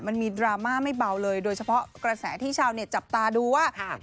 มีดราม่าไม่เบาเลยโดยเฉพาะกระแสที่ชาวเน็ตจับตาดูว่า